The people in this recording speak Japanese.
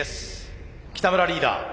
北村リーダー